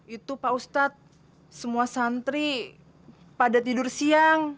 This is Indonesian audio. itu pak ustadz semua santri pada tidur siang